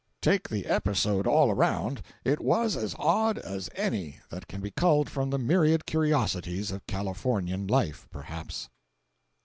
Take the episode all around, it was as odd as any that can be culled from the myriad curiosities of Californian life, perhaps.